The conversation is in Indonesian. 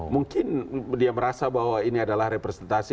mungkin dia merasa bahwa ini adalah representasi